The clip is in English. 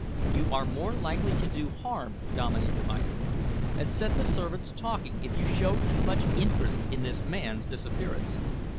"You are more likely to do harm," Dominey reminded him, "and set the servants talking, if you show too much interest in this man's disappearance."